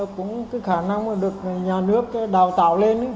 cũng cái khả năng mà được nhà nước đào tạo lên